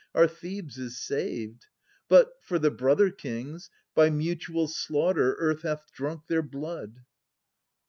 Our Thebes is saved ; but, for the brother kings, .820 By mutual slaughter earth hath drunk their blood.